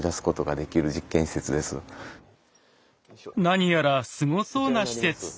何やらすごそうな施設。